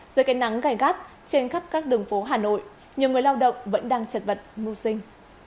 giữa cái nắng gài gắt trên khắp các đường phố hà nội nhiều người lao động vẫn đang chật vật ngu sinh